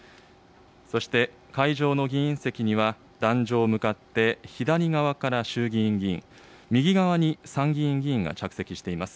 そして、会場の議員席には、壇上向かって左側から衆議院議員、右側に参議院議員が着席しています。